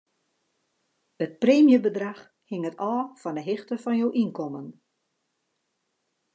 It preemjebedrach hinget ôf fan 'e hichte fan jo ynkommen.